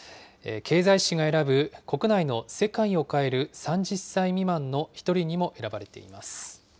経済誌が選ぶ国内の世界を変える３０歳未満の１人にも選ばれています。